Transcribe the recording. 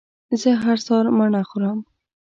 زه هر سهار مڼه خورم